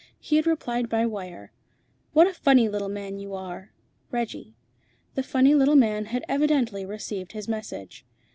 He had replied by wire "What a funny little man you are. Reggie." The funny little man had evidently received his message.